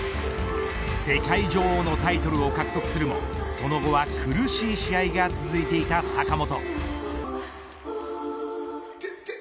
世界女王のタイトルを獲得するもその後は苦しい試合が続いていた坂本。